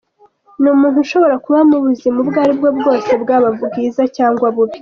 Ni umuntu ushobora kuba mu buzima ubwo aribwo bwose bwaba bwiza cyangwa bubi.